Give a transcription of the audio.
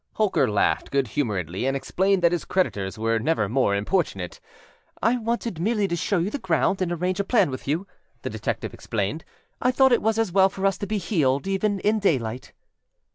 â Holker laughed good humoredly, and explained that his creditors were never more importunate. âI wanted merely to show you the ground, and arrange a plan with you,â the detective explained. âI thought it as well for us to be heeled, even in daylight.